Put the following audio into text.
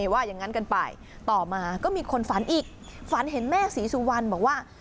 ว่าอย่างนั้นกันไปต่อมาก็มีคนฝันอีกฝันเห็นแม่ศรีสุวรรณบอกว่า